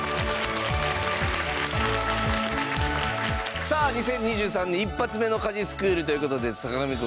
さあ２０２３年１発目の家事スクールという事で坂上くん